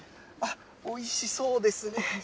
おいしそうです。